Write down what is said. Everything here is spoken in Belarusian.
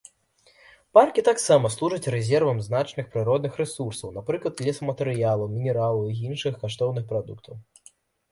Паркі таксама служаць рэзервам значных прыродных рэсурсаў, напрыклад лесаматэрыялаў, мінералаў і іншых каштоўных прадуктаў.